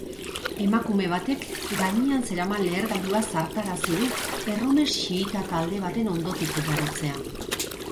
Emakume batek gainean zeraman lehergailua zartarazi du erromes xiita talde baten ondotik igarotzean.